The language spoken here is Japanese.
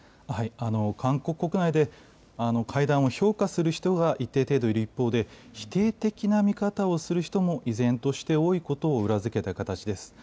韓国国内で会談を評価する人が一定程度いる一方で、否定的な見方をする人も依然として多いことを裏付けた形です。